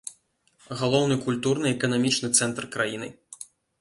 Галоўны культурны і эканамічны цэнтр краіны.